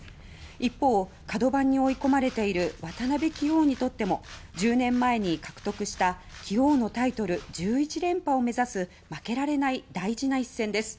一方、かど番に追い込まれている渡辺棋王にとっても１０年前に獲得した棋王のタイトル１１連覇を目指す負けられない大事な一戦です。